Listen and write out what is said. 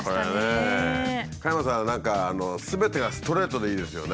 加山さんは何かすべてがストレートでいいですよね。